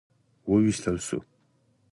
وویشتل شو.